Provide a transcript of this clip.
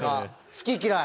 好き嫌い。